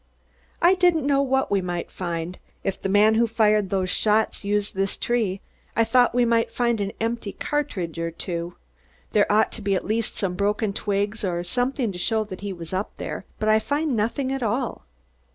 "I didn't know what we might find. If the man who fired those shots used this tree, I thought we might find an empty cartridge or two. There ought to be at least some broken twigs or something to show that he was up there, but I find nothing at all."